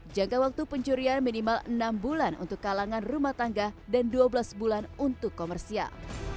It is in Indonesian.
jangka waktu pencurian minimal enam bulan untuk kalangan rumah tangga dan dua belas bulan untuk komersial